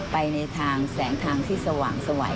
ไปในทางแสงทางที่สว่างสวัย